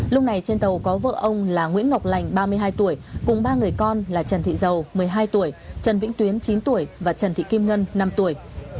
lúc này trên tàu có vợ ông là nguyễn ngọc lành ba mươi hai tuổi cùng ba người con là trần thị dầu một mươi hai tuổi trần vĩnh tuyến chín tuổi và trần thị kim ngân năm tuổi